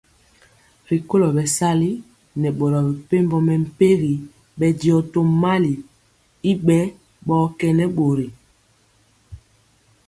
Rikolo bɛsali nɛ boro mepempɔ mɛmpegi bɛndiɔ tomali y bɛ bɔkenɛ bori.